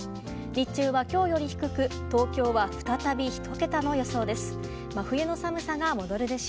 日中は今日より低く東京は再び１桁の予想です。